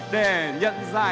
để nhận giải nhất toàn đoàn